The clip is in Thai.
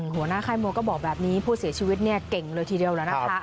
หัวหน้าค่ายมวยก็บอกแบบนี้ผู้เสียชีวิตเนี่ยเก่งเลยทีเดียวแล้วนะคะ